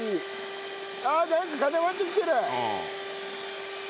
あっなんか固まってきてる！